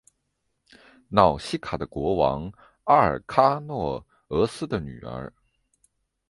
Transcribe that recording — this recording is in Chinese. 瑙西卡的国王阿尔喀诺俄斯的女儿。